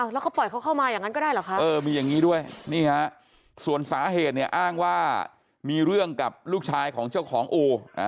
แล้วเขาปล่อยเขาเข้ามาอย่างนั้นก็ได้เหรอคะมีอย่างนี้ด้วยนี่ฮะส่วนสาเหตุเนี่ยอ้างว่ามีเรื่องกับลูกชายของเจ้าของอู่